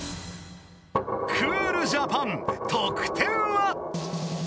［クールジャパン得点は］